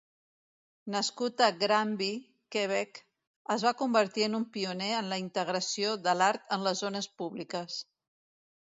Nascut a Granby, Quebec, es va convertir en un pioner en la integració de l'art en les zones públiques.